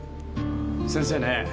先生ね